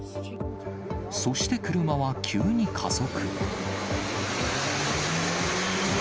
そして車は急に加速。